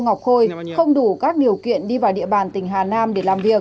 ngọc khôi không đủ các điều kiện đi vào địa bàn tỉnh hà nam để làm việc